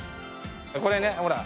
これねほら。